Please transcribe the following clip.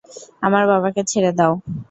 আমার বাবাকে ছেড়ে দাও।